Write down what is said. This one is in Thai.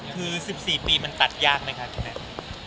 คือ๑๔ปีมันตัดยากมั้ยครับพี่แม็ต